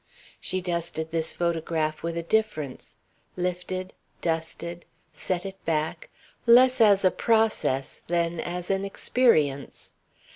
She dusted this photograph with a difference, lifted, dusted, set it back, less as a process than as an experience.